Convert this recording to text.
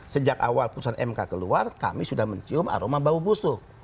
sejak awal putusan mk keluar kami sudah mencium aroma bau busuk